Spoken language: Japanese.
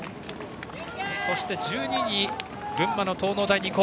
そして１２位に群馬の東農大二高。